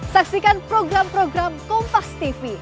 saksikan program program kompas tv